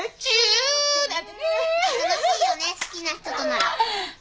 好きな人となら。